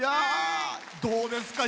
どうですか？